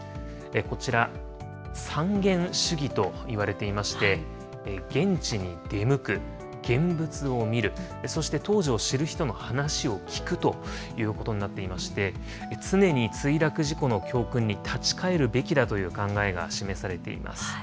こちら、三現主義といわれていまして、現地に出向く、現物を見る、そして当時を知る人の話を聞くということになっていまして、常に墜落事故の教訓に立ち返るべきだという考えが示されています。